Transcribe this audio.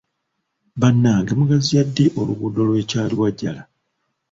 Bannange mugaziya ddi oluguudo lw’e Kyaliwajjala?